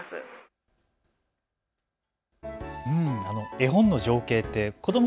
絵本の情景って子ども